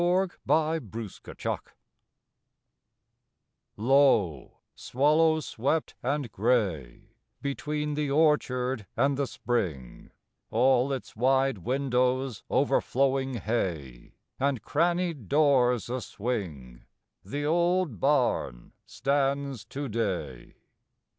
THE OLD BARN Low, swallow swept and gray, Between the orchard and the spring, All its wide windows overflowing hay, And crannied doors a swing, The old barn stands to day.